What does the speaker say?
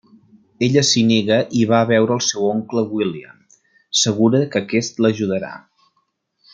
Ella s'hi nega i va a veure el seu oncle William, segura que aquest l'ajudarà.